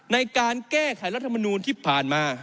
ในการแก้ไขรัฐมนูลที่ผ่านมา